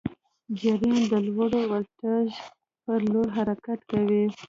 جریان د لوړ ولتاژ پر لور حرکت کوي.